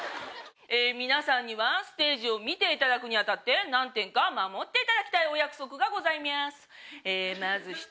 皆さんにはステージを見ていただくに当たって何点か守っていただきたいお約束がございみゃーす。